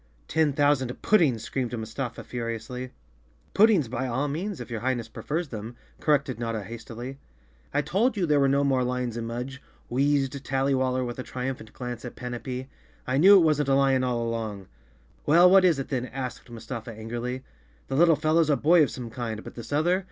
"Ten thousand puddings!" screamed Mustafa furi¬ ously. "Puddings by all means, if your Highness prefers them," corrected Notta hastily. "I told you there were no more lions in Mudge," wheezed Tazzy waller with a triumphant glance at Pan apee. " I knew it wasn't a lion all along." "Well, what is it then?" asked Mustafa angrily. "The little fellow's a boy of some kind, but this other?"